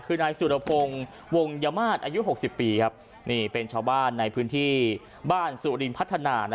คือนายสุรพงศ์วงยามาศอายุ๖๐ปีครับนี่เป็นชาวบ้านในพื้นที่บ้านสุรินพัฒนา